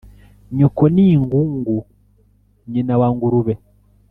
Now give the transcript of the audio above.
nyoko n i ngungu nyina w a ngurube •